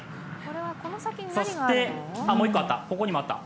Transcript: そして、もう１個、ここにもあった。